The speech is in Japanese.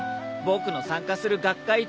僕の参加する学会